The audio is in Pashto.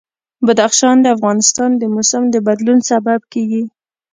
بدخشان د افغانستان د موسم د بدلون سبب کېږي.